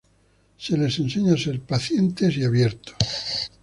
Se les enseña a ser pacientes y abiertos.